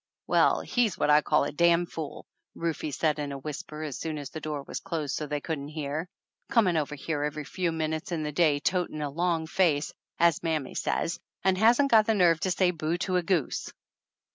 "Well, he's what I call a damn fool," Rufe said in a whisper as soon as the door was closed so they couldn't hear. "Coming over here every few minutes in the day, 'totin' a long face,' as mammy says, and hasn't got the nerve to say boo to a goose